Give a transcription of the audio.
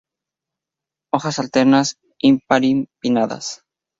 Hojas alternas, imparipinnadas.